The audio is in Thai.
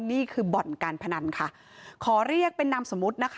นี่คือบ่อนการพนันขอเรียกเป็นนามสมมติ